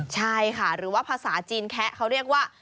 ใช่ค่ะหรือว่าภาษาจีนแคะเขาเรียกว่า